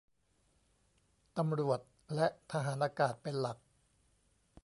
ตำรวจและทหารอากาศ เป็นหลัก